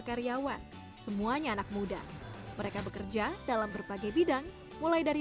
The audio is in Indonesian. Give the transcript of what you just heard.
namun yusuf dan fauzan mengaku sengaja menciptakan suasana kerja yang santai dan kekeluargaan